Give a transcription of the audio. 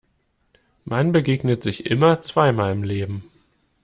Man begegnet sich immer zweimal im Leben.